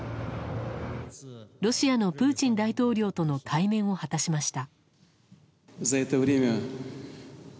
ロシアのプーチン大統領との対面を果たしました。